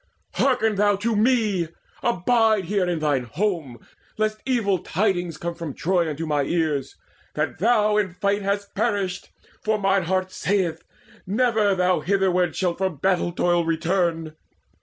Hearken thou to me, abide Here in thine home, lest evil tidings come From Troy unto my ears, that thou in fight Hast perished; for mine heart saith, never thou Hitherward shalt from battle toil return.